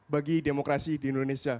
bagi demokrasi di indonesia